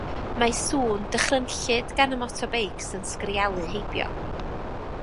Mae sŵn dychrynllyd gan y motobeics yn sgrialu heibio.